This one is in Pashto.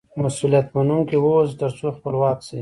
مسئولیت منونکی واوسه، تر څو خپلواک سې.